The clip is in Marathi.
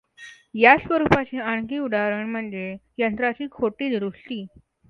याच स्वरुपाची आणखी उदाहरण म्हणजे यंत्राची 'खोटी'दुरुस्ती.